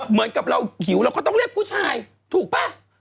เหมือนกับเราหิวเราก็ต้องเรียกผู้ชายถูกป่ะ